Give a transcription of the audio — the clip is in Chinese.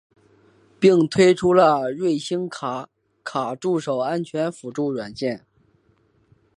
并推出了瑞星卡卡助手安全辅助软件。